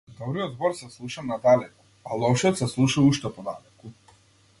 Добриот збор се слуша надалеку, а лошиот се слуша уште подалеку.